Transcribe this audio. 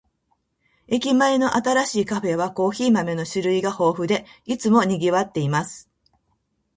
駅前の新しいカフェは、コーヒー豆の種類が豊富で、いつも賑わっています。